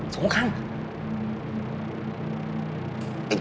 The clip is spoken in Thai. เป็นใครเนี่ย